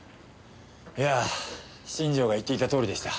いや新庄が言っていたとおりでした。